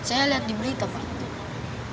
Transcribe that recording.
saya lihat di berita pak